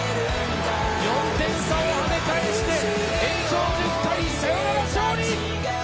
４点差をはね返して、延長１０回、サヨナラ勝利。